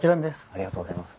ありがとうございます。